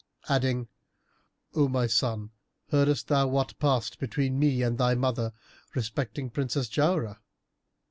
adding, "O my son, heardest thou what passed between me and thy mother respecting Princess Jauharah?"